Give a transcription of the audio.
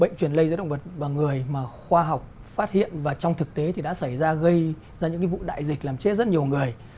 bệnh truyền lây giữa động vật và người mà khoa học phát hiện và trong thực tế thì đã xảy ra gây ra những vụ đại dịch làm chết rất nhiều người